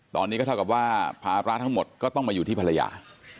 ตอนนี้ก็เท่ากับว่าภาระทั้งหมดก็ต้องมาอยู่ที่ภรรยา